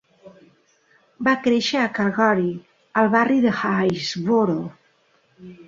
Va créixer a Calgary, al barri de Haysboro.